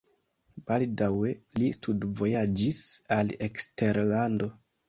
Baldaŭe li studvojaĝis al eksterlando.